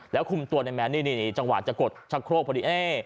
แล้วคุณตัวนัยแมนจังหวัดจะกดชักโครกพอดี